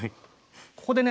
ここでね